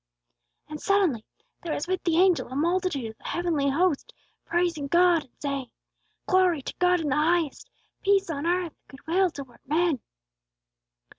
"And suddenly there was with the angel a multitude of the heavenly host praising God, and saying, 'Glory to God in the highest, peace on earth, good will toward men!'